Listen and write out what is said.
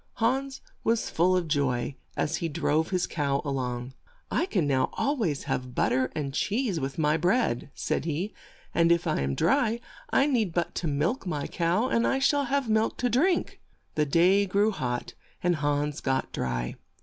Hans was full of joy as he drove his cow a long. "I can now al ways have but ter and cheese with my bread," said he, "and if I am dry, I need but to milk my cow, and I shall have milk to drink." HANS IN LUCK 127 The day grew hot, and Hans got dry.